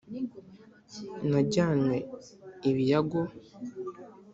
najyanywe ibiyago